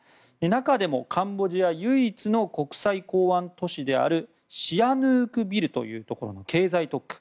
中でもカンボジア唯一の国際港湾都市であるシアヌークビルというところの経済特区